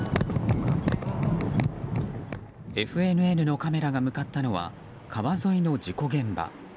ＦＮＮのカメラが向かったのは川沿いの事故現場。